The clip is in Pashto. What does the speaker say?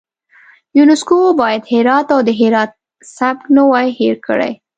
یونسکو باید هرات او د هرات سبک نه وای هیر کړی.